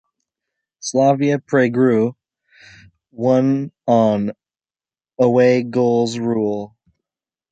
Slavia Prague won on away goals rule.